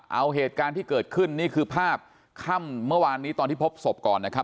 เอาเหตุการณ์ที่เกิดขึ้นนี่คือภาพค่ำเมื่อวานนี้ตอนที่พบศพก่อนนะครับ